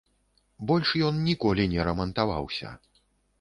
Больш ён ніколі не рамантаваўся.